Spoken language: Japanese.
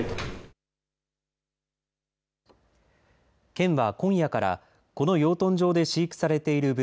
県は今夜からこの養豚場で飼育されている豚